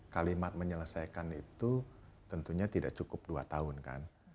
kalimat menyelesaikan itu tentunya tidak cukup dua tahun kan